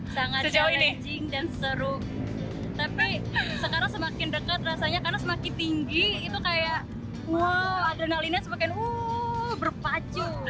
sangat jauh leging dan seru tapi sekarang semakin dekat rasanya karena semakin tinggi itu kayak wow adrenalinnya semakin uh berpacu